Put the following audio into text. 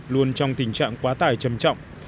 luôn trong tình trạng quá tải trầm trọng